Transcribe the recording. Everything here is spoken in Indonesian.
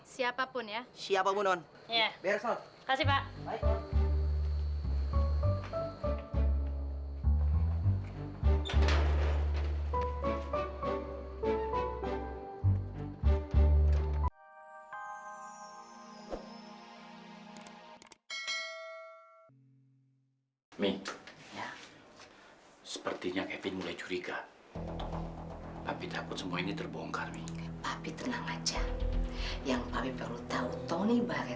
sampai jumpa di video selanjutnya